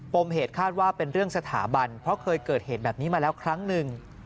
มเหตุคาดว่าเป็นเรื่องสถาบันเพราะเคยเกิดเหตุแบบนี้มาแล้วครั้งหนึ่ง